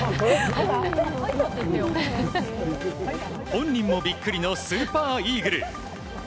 本人もビックリのスーパーイーグル！